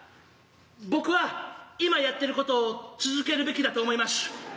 僕は今やってることを続けるべきだと思いましゅ。